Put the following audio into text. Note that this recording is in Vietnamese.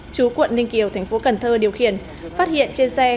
chú quận ninh kiều thành phố cần thơ điều khiển